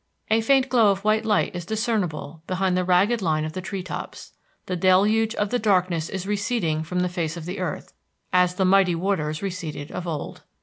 A faint glow of white light is discernible behind the ragged line of the tree tops. The deluge of the darkness is receding from the face of the earth, as the mighty waters receded of old.